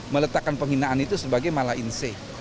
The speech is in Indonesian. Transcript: meletakkan penghinaan itu sebagai malah inse